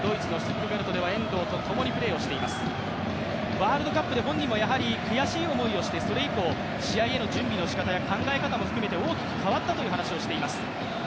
ワールドカップで本人も悔しい思いをしてそれい以降、試合への準備の仕方や考え方も含めて大きく変わったという話をしています。